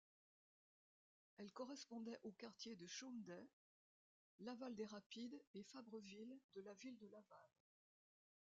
Elle correspondait aux quartiers de Chomedey, Laval-des-Rapides et Fabreville de la ville de Laval.